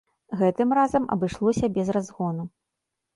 Гэтым разам абышлося без разгону.